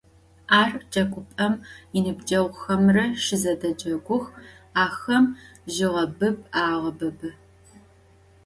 Ar cegup'em yinıbceğuxemre şızedecegux, axem jığebıb ağebıbı.